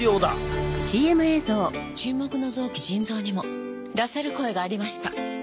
沈黙の臓器腎臓にも出せる声がありました。